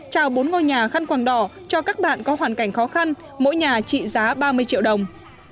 trao bốn ngôi nhà khăn quàng đỏ cho các bạn có hoàn cảnh khó khăn mỗi nhà trị giá ba mươi triệu đồng